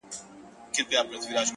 • سپوږميه کړنگ وهه راخېژه وايم؛